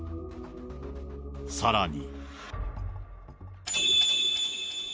さらに。